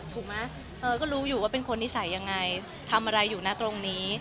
ถูกไหมเออก็รู้อยู่ว่าเป็นคนนิสัยยังไงทำอะไรอยู่นะตรงนี้